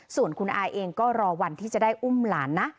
ส่วนคุณอายเองก็รอวันที่จะได้อุ้มหลานนะ